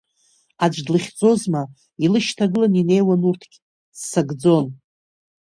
Аӡә длыхьӡозма, илышьҭагылан, инеиуан урҭгь, ццакӡон.